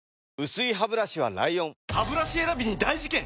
薄いハブラシは ＬＩＯＮハブラシ選びに大事件！